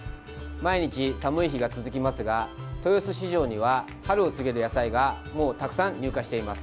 毎日寒い日が続きますが豊洲市場には春を告げる野菜がもうたくさん入荷しています。